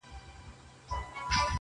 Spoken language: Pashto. ټول غزل غزل سوې دواړي سترګي دي شاعري دي,